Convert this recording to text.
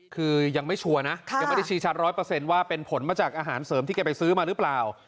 คือยังไม่ชัวร์นะยังไม่ได้ชี้ชัด๑๐๐ว่าเป็นผลมาจากอาหารเสริมที่แกไปซื้อมาหรือเปล่า